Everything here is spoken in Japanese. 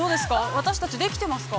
私たち、できてますか。